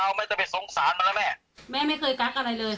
แม่ยังคงมั่นใจและก็มีความหวังในการทำงานของเจ้าหน้าที่ตำรวจค่ะ